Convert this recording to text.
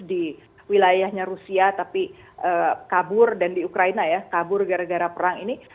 di wilayahnya rusia tapi kabur dan di ukraina ya kabur gara gara perang ini